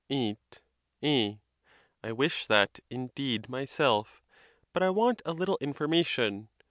VIII. A. I wish that, indeed, myself; but I want a lit tle information.